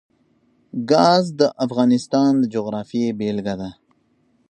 ګاز د افغانستان د جغرافیې بېلګه ده.